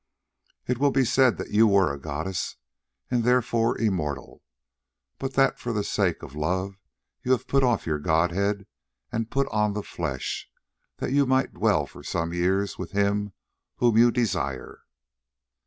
It will be said that you were a goddess and therefore immortal, but that for the sake of love you have put off your godhead and put on the flesh, that you might dwell for some years with him whom you desire."